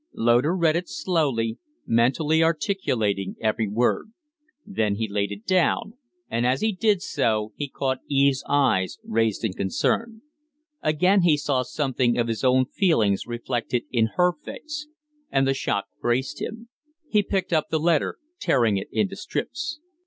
Loder read it slowly, mentally articulating every word; then he laid it down, and as he did so he caught Eve's eyes raised in concern. Again he saw something of his own feelings reflected in her face, and the shock braced him; he picked up the letter, tearing it into strips.